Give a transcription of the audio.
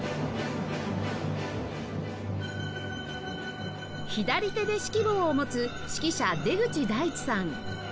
左手で指揮棒を持つ指揮者出口大地さん